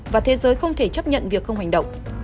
và thế giới không thể chấp nhận việc không hành động